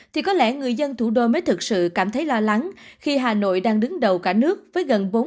thì có lẽ người dân thủ đô mới thực sự cảm thấy lo lắng khi hà nội đang đứng đầu cả nước với gần bốn mươi